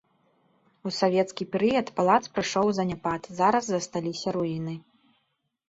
У савецкі перыяд палац прыйшоў у заняпад, зараз засталіся руіны.